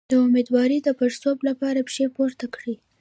د امیدوارۍ د پړسوب لپاره پښې پورته کړئ